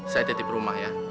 saya titip rumah ya